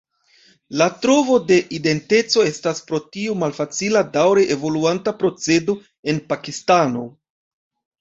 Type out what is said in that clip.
La trovo de identeco estas pro tio malfacila daŭre evoluanta procedo en Pakistano.